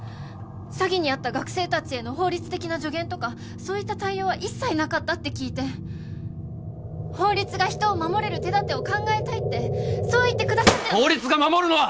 詐欺に遭った学生達への法律的な助言とかそういった対応は一切なかったって聞いて法律が人を守れる手だてを考えたいってそう言ってくださってた法律が守るのは！